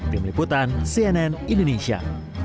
tim liputan cnn indonesia